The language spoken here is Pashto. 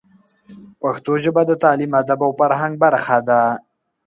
پښتو ژبه د تعلیم، ادب او فرهنګ برخه ده.